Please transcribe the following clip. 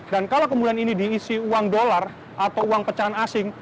dan kalau kemudian ini diisi uang dolar atau uang pecahan asing